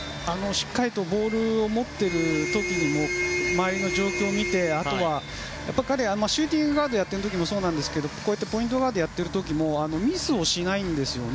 しっかりとボールを持っている時にも周りの状況を見てあとは、彼はシューティングガードをやっている時もそうなんですけどポイントガードをやっているときもミスをしないんですよね。